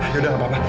yaudah gak apa apa